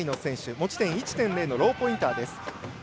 持ち点１．０のローポインターです。